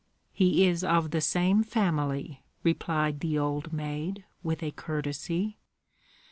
"He is of the same family," replied the old maid, with a courtesy.